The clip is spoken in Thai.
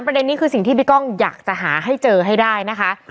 ประเด็นนี้คือสิ่งที่พี่ก้องอยากจะหาให้เจอให้ได้นะคะ